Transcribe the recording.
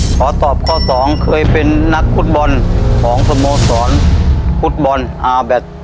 ขอตอบข้อสองเคยเป็นนักฟุตบอลของสโมสรฟุตบอลอาร์แบต